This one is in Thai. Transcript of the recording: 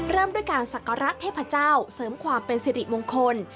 เริ่มด้วยการศักระเทพเจ้าเสริมความเป็นสิริมงคล